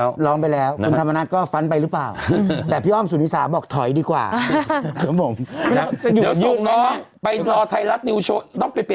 ควรนี้ยืดมั้ยก็ไม่รู้พฤษภาคือตัวตัดสินถูกต้องป่ะ